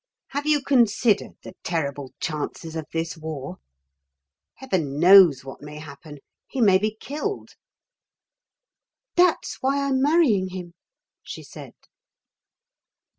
Have you considered the terrible chances of this war? Heaven knows what may happen. He may be killed." "That's why I'm marrying him," she said.